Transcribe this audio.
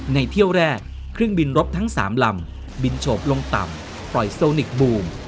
เที่ยวแรกเครื่องบินรบทั้ง๓ลำบินโฉบลงต่ำปล่อยโซนิกบูม